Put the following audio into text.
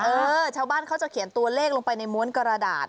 เออชาวบ้านเขาจะเขียนตัวเลขลงไปในม้วนกระดาษ